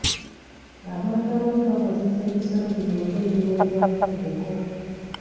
Abantu abamu bakozesa ebisolo bino ng'ebiweebwayo ku buko.